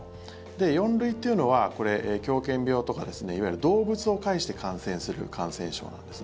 ４類っていうのは、狂犬病とかいわゆる動物を介して感染する感染症なんです。